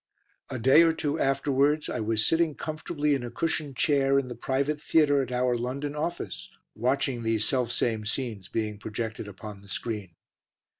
A day or two afterwards I was sitting comfortably in a cushioned chair in the private theatre at our London office watching these selfsame scenes being projected upon the screen.